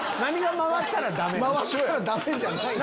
回ったらダメじゃないやん。